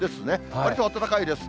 わりと暖かいです。